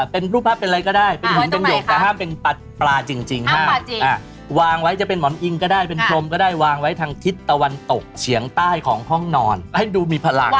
เป็นรูปภาพเป็นอะไรก็ได้เป็นหินเป็นหยกแต่ห้ามเป็นปลาจริงห้ามวางไว้จะเป็นหมอนอิงก็ได้เป็นพรมก็ได้วางไว้ทางทิศตะวันตกเฉียงใต้ของห้องนอนให้ดูมีพลัง